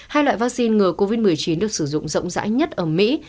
hai loại vaccine ngừa covid một mươi chín được sử dụng rộng rãi nhất ở mỹ